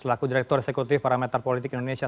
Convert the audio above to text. selaku direktur eksekutif parameter politik indonesia